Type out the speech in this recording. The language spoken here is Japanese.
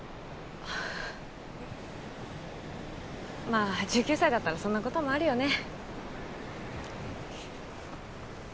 まあ１９歳だったらそんなこともあるよね。